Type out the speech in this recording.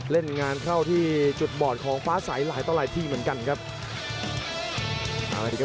เล่นงานเข้าที่จุดบอดของฟ้าใสหลายต่อหลายที่เหมือนกันครับ